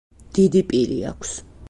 დიდი პირი აქვს.